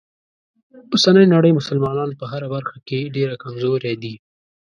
اوسنۍ نړۍ مسلمانان په هره برخه کې ډیره کمزوری دي.